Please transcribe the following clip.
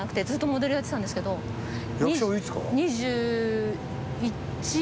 役者はいつから？